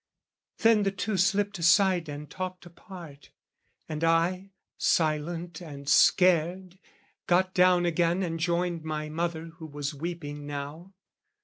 Then the two slipped aside and talked apart. And I, silent and scared, got down again And joined my mother who was weeping now.